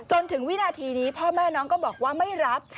จนถึงวินาทีนี้พ่อแม่น้องก็บอกว่าไม่รับ